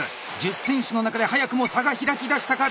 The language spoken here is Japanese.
１０選手の中で早くも差が開きだしたか